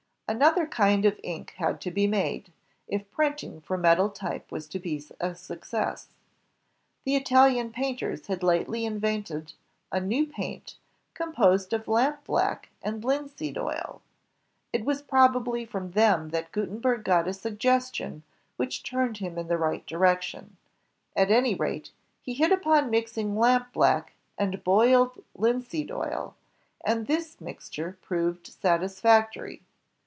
Another kind of ink had to be made, if printing from metal tj^ was to be a success. The ItaUan painters had lately invented a new paint composed of lampblack and £miseed oil. It was probably from them that Gutenberg got a suggestion which turned him in the right direction. At any rate, he hit upon mixing lampblack and boiled linseed oil, and this mixture proved satisfactory.